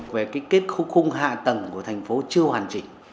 về cái kết khung khung hạ tầng của thành phố chưa hoàn chỉnh